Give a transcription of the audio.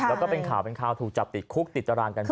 แล้วก็เป็นข่าวถูกจับติดคุกติดตารางกันไป